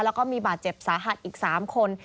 แล้วก็มีบาดเจ็บสาหัสอีก๓คน